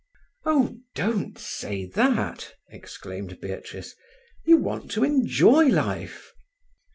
"Oh, don't say that!" exclaimed Beatrice. "You want to enjoy life."